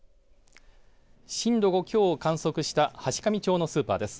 震度５強を観測した階上町のスーパーです。